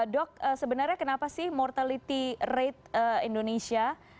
dok sebenarnya kenapa sih mortality rate indonesia